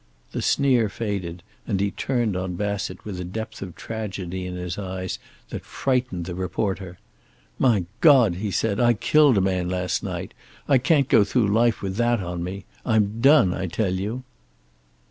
The sneer faded, and he turned on Bassett with a depth of tragedy in his eyes that frightened the reporter. "My God," he said, "I killed a man last night! I can't go through life with that on me. I'm done, I tell you."